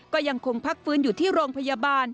ก็ยังคงพักฟื้นอยู่ที่โรงพยาบาล